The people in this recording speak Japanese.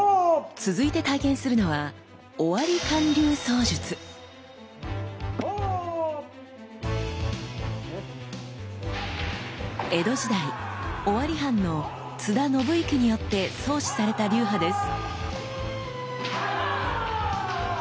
続いて体験するのは江戸時代尾張藩の津田信之によって創始された流派です。